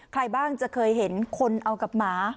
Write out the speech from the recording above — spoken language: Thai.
ใครบ้างจะเคยเห็นคนเอากับหมา